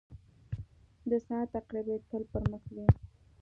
• د ساعت عقربې تل پر مخ ځي.